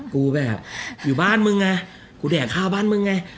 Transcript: กูแบบอยู่บ้านมึงไงกูแดกข้าวบ้านมึงไง